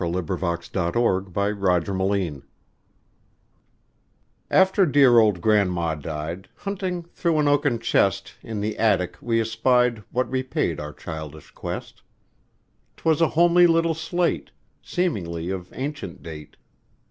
Eugene Field Little Homer's Slate AFTER dear old grandma died, Hunting through an oaken chest In the attic, we espied What repaid our childish quest; 'Twas a homely little slate, Seemingly of ancient date.